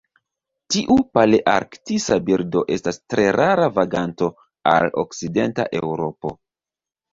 Tiu palearktisa birdo estas tre rara vaganto al okcidenta Eŭropo.